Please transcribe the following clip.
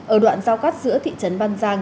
ở đoạn giao cắt giữa thị trấn văn giang